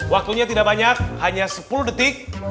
waktunya tidak banyak hanya sepuluh detik